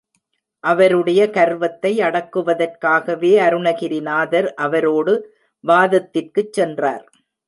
அவருடைய கர்வத்தை அடக்குவதற்காகவே அருணகிரிநாதர் அவரோடு வாதத்திற்குச் சென்றார்.